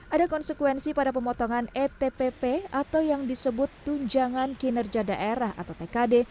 ada konsekuensi pada pemotongan etpp atau yang disebut tunjangan kinerja daerah atau tkd